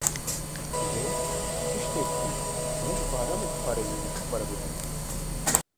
Divê tiştên ku me ji baranê biparêzin bi xwe re bibin.